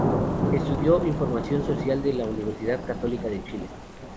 Estudió información social de la Universidad Católica de Chile.